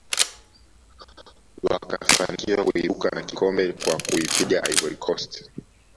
wakafanikiwa kuibuka na kikombe kwa kuipiga ivory coast